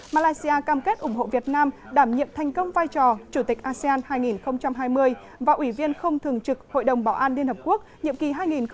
malaysia cam kết ủng hộ việt nam đảm nhiệm thành công vai trò chủ tịch asean hai nghìn hai mươi và ủy viên không thường trực hội đồng bảo an liên hợp quốc nhiệm kỳ hai nghìn hai mươi hai nghìn hai mươi một